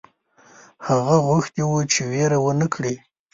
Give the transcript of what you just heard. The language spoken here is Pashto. هغه غوښتي وه چې وېره ونه کړي.